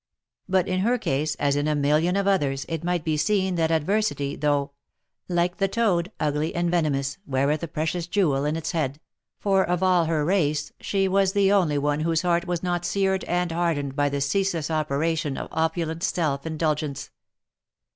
But, in her case, as in a million of others, it might be seen that adversity, though " Like the toad, ugty and venomous, Weareth a precious jewel in its head." for of all her race she was the only one w r hose heart was not seared and hardened by the ceaseless operation of opulent self indul gence.